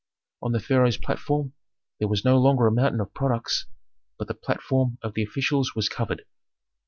On the pharaoh's platform there was no longer a mountain of products, but the platform of the officials was covered.